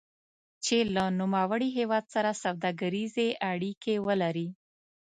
چې له نوموړي هېواد سره سوداګریزې اړیکې ولري.